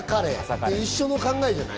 一緒の考えじゃない？